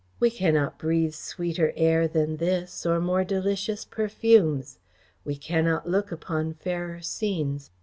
We cannot breathe sweeter air than this, or more delicious perfumes. We cannot look upon fairer scenes.